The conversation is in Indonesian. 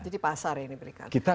jadi pasar ini belikan